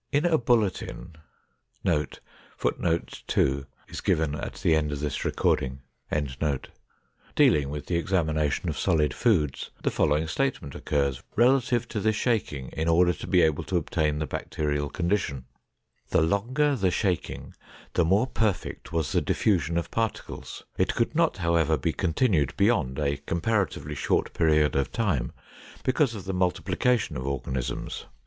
In a bulletin dealing with the examination of solid foods, the following statement occurs relative to the shaking in order to be able to obtain the bacterial condition: "The longer the shaking, the more perfect was the diffusion of particles. It could not, however, be continued beyond a comparatively short period of time, because of the multiplication of organisms.